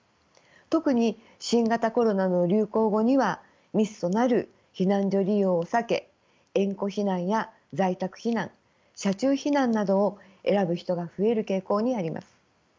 特に新型コロナの流行後には密となる避難所利用を避け縁故避難や在宅避難車中避難などを選ぶ人が増える傾向にあります。